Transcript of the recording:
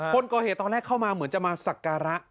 คนเกาเหตุตอนแรกเข้ามาคิดจะมาสักกรระ